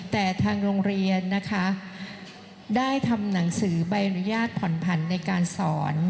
แต่ทางโรงเรียนนะคะได้ทำหนังสือใบอนุญาตผ่อนผันในการสอน